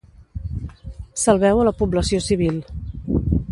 Salveu a la població civil.